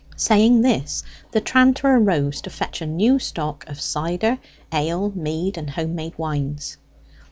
Saying this the tranter arose to fetch a new stock of cider, ale, mead, and home made wines.